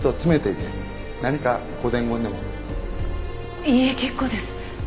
いいえ結構です。